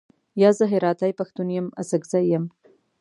یا، زه هراتۍ پښتون یم، اڅګزی یم.